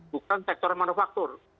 bukan sektor manufaktur